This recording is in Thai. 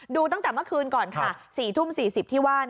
ดูตั้งแต่เมื่อคืนก่อนค่ะ๔ทุ่ม๔๐ที่ว่า